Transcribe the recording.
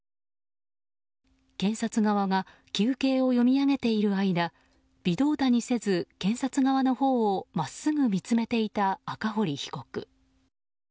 検察側が求刑を読み上げている間微動だにせず検察側のほうを真っすぐ見つめていた赤堀被告。